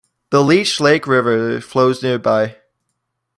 The Leech Lake River flows nearby.